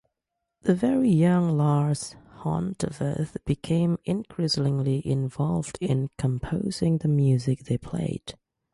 The very young Lars Horntveth became increasingly involved in composing the music they played.